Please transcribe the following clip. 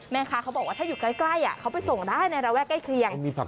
แม่ค้าเค้าบอกว่าถ้าอยู่ใกล้เค้าไปส่งได้ในระแวะใกล้เคลียง